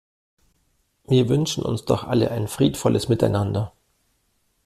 Wir wünschen uns doch alle ein friedvolles Miteinander.